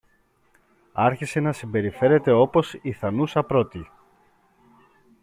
άρχισε να συμπεριφέρεται όπως η θανούσα πρώτη.